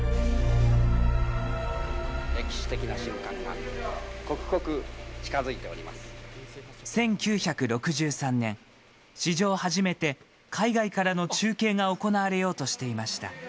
歴史的な瞬間が、刻々近づい１９６３年、史上初めて海外からの中継が行われようとしていました。